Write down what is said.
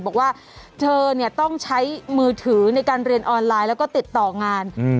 บอกว่าเธอเนี่ยต้องใช้มือถือในการเรียนออนไลน์แล้วก็ติดต่องาน